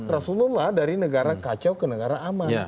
rasulullah dari negara kacau ke negara aman